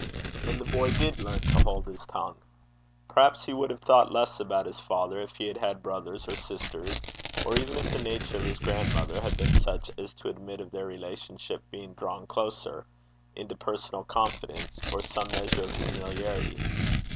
And the boy did learn to hold his tongue. Perhaps he would have thought less about his father if he had had brothers or sisters, or even if the nature of his grandmother had been such as to admit of their relationship being drawn closer into personal confidence, or some measure of familiarity.